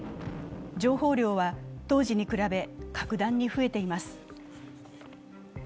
情報量は当時に比べ、格段に増えています。